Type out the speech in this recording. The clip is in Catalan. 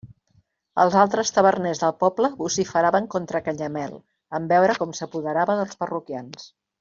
Els altres taverners del poble vociferaven contra Canyamel en veure com s'apoderava dels parroquians.